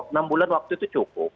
enam bulan waktu itu cukup